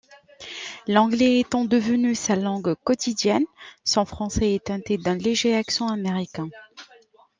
L'anglais étant devenu sa langue quotidienne, son français est teinté d'un léger accent américain.